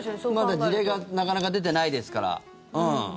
まだ事例がなかなか出てないですから。